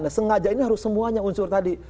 nah sengaja ini harus semuanya unsur tadi